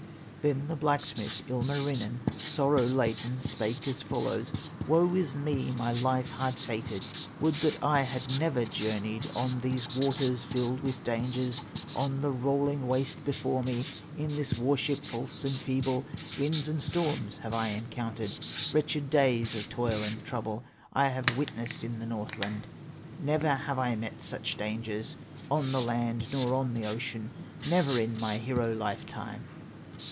Then the blacksmith, Ilmarinen, Sorrow laden, spake as follows: "Woe is me, my life hard fated! Would that I had never journeyed On these waters filled with dangers, On the rolling waste before me, In this war ship false and feeble. Winds and storms have I encountered, Wretched days of toil and trouble, I have witnessed in the Northland; Never have I met such dangers On the land, nor on the ocean, Never in my hero life time!"